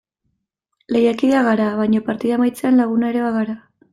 Lehiakideak gara baina partida amaitzean laguna ere bagara.